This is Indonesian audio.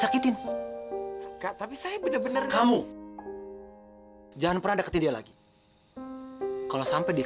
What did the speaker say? aku belum pernah nyakitin opi